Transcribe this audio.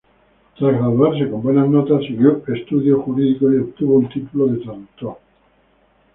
Tras graduarse con buenas notas siguió estudios jurídicos y obtuvo un título de traductor.